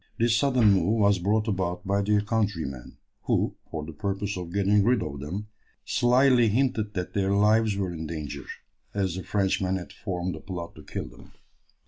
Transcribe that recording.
This sudden move was brought about by their countrymen, who, for the purpose of getting rid of them, slily hinted that their lives were in danger, as the Frenchmen had formed a plot to kill them.